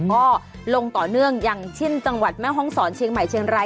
ก็ลงต่อเนื่องอย่างเช่นจังหวัดแม่ห้องศรเชียงใหม่เชียงราย